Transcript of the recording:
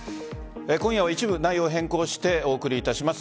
今夜は一部内容を変更して送りいたします。